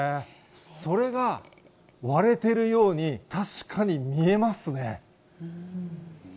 それが割れてるように確かに見えますね。